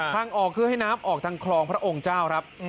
ทางออกคือให้น้ำออกทางคลองพระองค์เจ้าครับ